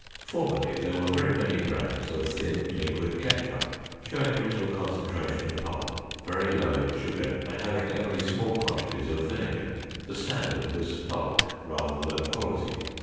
Formerly, there were very many brands of thin liquid ketchup, showing little concentration of pulp, very low in sugar, and having only small quantities of vinegar; the standard was bulk rather than quality.